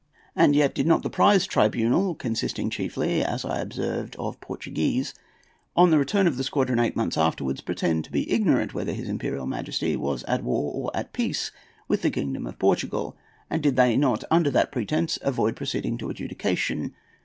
And yet did not the Prize Tribunal (consisting chiefly, as I before observed, of Portuguese), on the return of the squadron, eight months afterwards, pretend to be ignorant whether his Imperial Majesty was at war or at peace with the kingdom of Portugal? And did they not under that pretence avoid proceeding to adjudication?